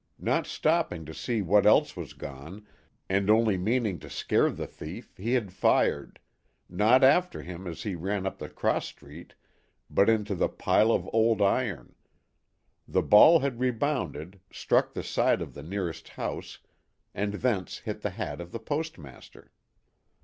Not stopping to see what else was gone, and only meaning to scare the thief, he had fired not after him as he ran up the cross street, but into the pile of old iron ; the ball had rebounded, struck the side of the nearest house, and thence hit the hat of the Postmaster.